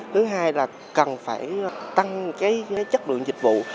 thứ hai là cần phải tăng cái chất lượng dịch vụ